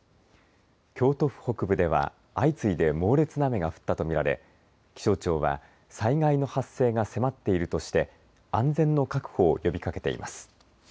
京都府北部では相次いで猛烈な雨が降ったと見られ気象庁は災害の発生が迫っているとして安全の確保を呼びかけています。